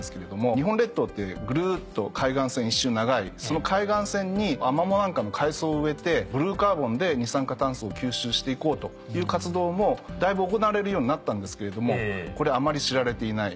日本列島ってぐるっと海岸線一周長いその海岸線にアマモなんかの海草を植えてブルーカーボンで二酸化炭素を吸収していこうという活動もだいぶ行われるようになったんですけれどもこれあんまり知られていない。